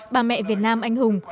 bà mẹ việt nam anh hùng